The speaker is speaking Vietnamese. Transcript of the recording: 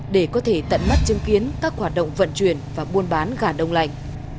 để có thể tận mắt chứng kiến các hoạt động vận chuyển và buôn bán gà đông lạnh